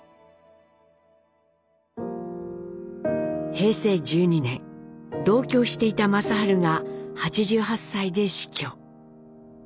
平成１２年同居していた正治が８８歳で死去。